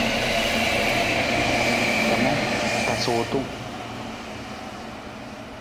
Kamang, tasa wutung.